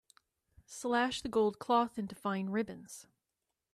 Slash the gold cloth into fine ribbons.